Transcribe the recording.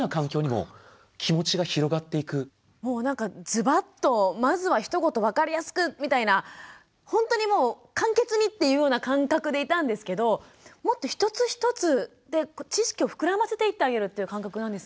もうズバッとまずはひと言分かりやすくみたいなほんとにもう簡潔にっていうような感覚でいたんですけどもっと一つ一つ知識を膨らませていってあげるっていう感覚なんですね。